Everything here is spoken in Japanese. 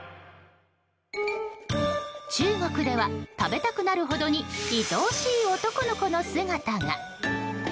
中国では、食べたくなるほどにいとおしい男の子の姿が。